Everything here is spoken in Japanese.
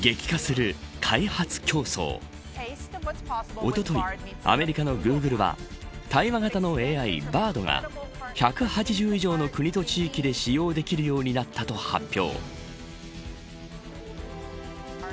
おととい、アメリカのグーグルは対話型のＡＩ、Ｂａｒｄが１８０以上の国と地域で使用できるようになったと発表。